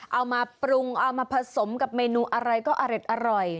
เอามาปรุงเอามาผสมกับเมนูอะไรก็อร่อย